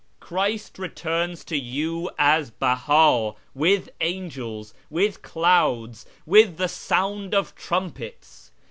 Christ returns to you as Beh;i with angels, with clouds, with the sound of trumpets.